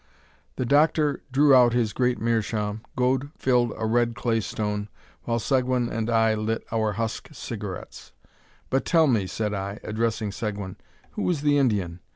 The doctor drew out his great meerschaum, Gode filled a red claystone, while Seguin and I lit our husk cigarettes. "But tell me," said I, addressing Seguin, "who is the Indian?